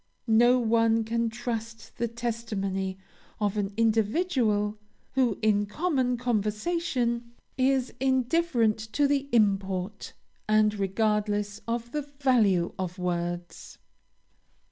No one can trust the testimony of an individual who, in common conversation, is indifferent to the import, and regardless of the value of words.